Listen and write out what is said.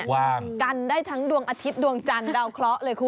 ว่างกันได้ทั้งดวงอาทิตย์ดวงจันทร์ดาวเคราะห์เลยคุณ